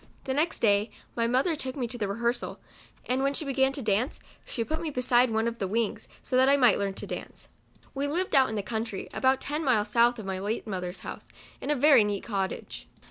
The next clay my mother took me to the rehearsal, and when she began to dance, she put me beside one of the wings, so that I might learn to dance. We lived out in the country, about ten miles south of my late mothers house, in a very neat cottage.